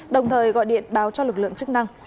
đồng thời gọi điện báo cho lực lượng chức năng